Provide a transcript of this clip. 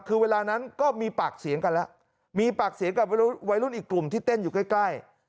คือเวลานั้นก็มีปากเสียงกันแล้วมีปากเสียงกับวัยรุ่นอีกกลุ่มที่เต้นอยู่ใกล้